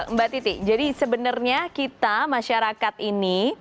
mbak titi jadi sebenarnya kita masyarakat ini